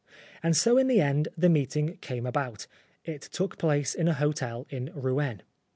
And so in the end the meeting came about. It took place in a hotel in Rouen.